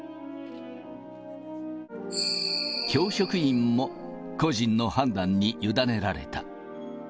教職員も個人の判断に委ねられた。